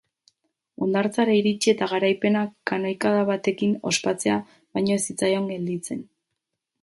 Hondartzara iritsi eta garaipena kanoikada batekin ospatzea baino ez zitzaion gelditzen.